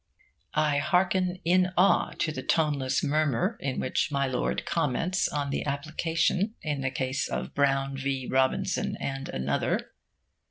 I hearken in awe to the toneless murmur in which My Lord comments on the application in the case of 'Brown v. Robinson and Another.'